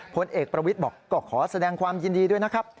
ผลเอกประวิทย์บอกก็ขอแสดงความยินดีด้วยนะครับ